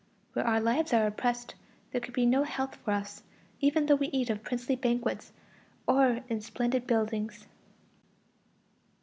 Where our lives are oppressed, there can be no health for us, even though we eat of princely banquets or in splendid buildings.